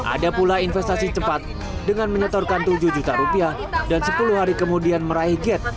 ada pula investasi cepat dengan menyetorkan tujuh juta rupiah dan sepuluh hari kemudian meraih gate